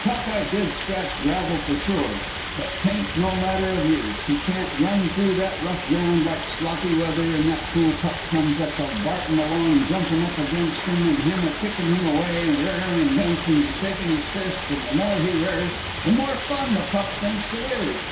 Cock eye did scratch gravel for sure. But 'tain't no manner of use. He can't run through that rough ground like Sloppy Weather, an' that fool pup comes a cavartin' along, jumpin' up against him, an' him a kickin' him away, an' r'arin', an' dancin', an' shakin' his fists, an' the more he r'ars the more fun the pup thinks it is.